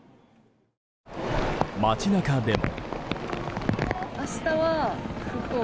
街中でも。